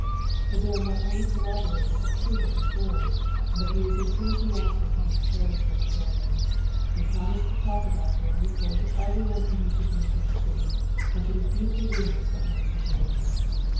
The baron not only corroborated the truth of her story, but he was enthusiastic in his praise of her charac ter. He promised to talk about her in this way to everyone whom he should meet in the city, and to refute the rumors that were in circulation.